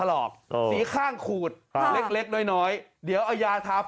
เล็กน้อยน้อยเดี๋ยวเอายาถาปละไป